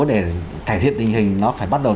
để cải thiện tình hình nó phải bắt đầu